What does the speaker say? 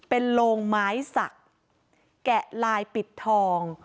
เป็นโรงไม้สักแกะลายปิดทอง